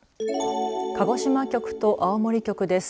鹿児島局と青森局です。